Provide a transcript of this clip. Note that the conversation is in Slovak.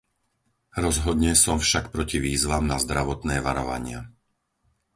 Rozhodne som však proti výzvam na zdravotné varovania.